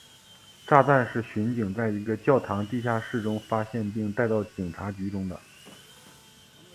炸弹是巡警在一个教堂的地下室中发现并带到警察局中的。